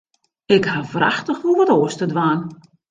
Ik haw wrachtich wol wat oars te dwaan.